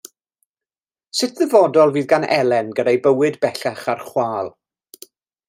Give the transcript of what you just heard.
Sut ddyfodol fydd gan Elen gyda'i bywyd bellach ar chwâl?